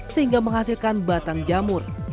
sehingga menghasilkan batang jamur